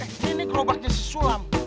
eh ini gerobaknya si sulam